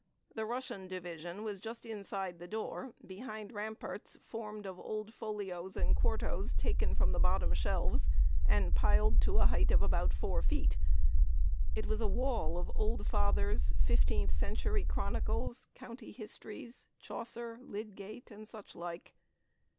The Russian division was just inside the door, behind ramparts formed of old folios and quartos taken from the bottom shelves and piled to the height of about four feet. It was a wall of old fathers, fifteenth century chronicles, county histories, Chaucer, Lydgate, and such like.